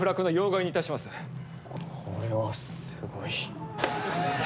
これはすごい。